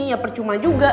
ya percuma juga